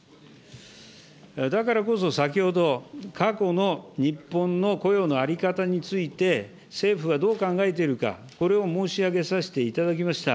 だからこそ、先ほど、過去の日本の雇用の在り方について、政府はどう考えているか、これを申し上げさせていただきました。